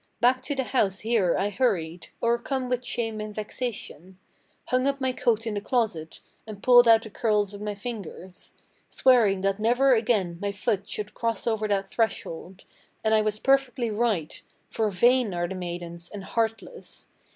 Back to the house here I hurried, o'ercome with shame and vexation, Hung up my coat in the closet, and pulled out the curls with my fingers, Swearing that never again my foot should cross over that threshold. And I was perfectly right; for vain are the maidens, and heartless.